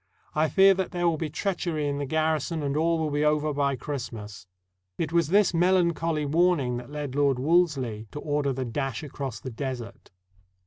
I fear that there will be treachery in the garrison, and all will be over by Christmas." It was this melancholy warning that led Lord Wolseley to order the dash across the Desert.